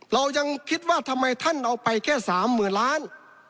เรายังคิดว่าทำไมท่านเอาไปแค่๓๐๐๐ล้าน